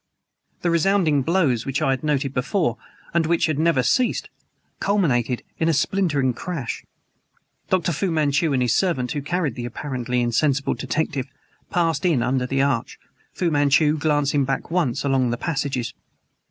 The resounding blows which I had noted before, and which had never ceased, culminated in a splintering crash. Dr. Fu Manchu and his servant, who carried the apparently insensible detective, passed in under the arch, Fu Manchu glancing back once along the passages.